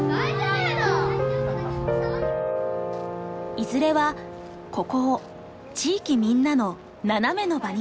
いずれはここを地域みんなのナナメの場に。